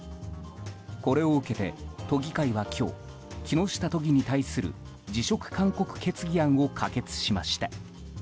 これを受けて都議会は今日木下都議に対する辞職勧告決議案を可決しました。